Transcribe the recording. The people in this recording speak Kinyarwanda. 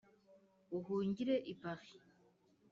uhungire i paris